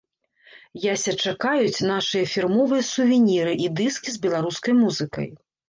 Яся чакаюць нашыя фірмовыя сувеніры і дыскі з беларускай музыкай.